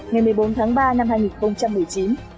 ngày một mươi bốn tháng ba năm hai nghìn một mươi chín